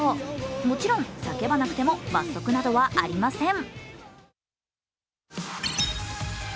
もちろん叫ばなくても罰則などはありません。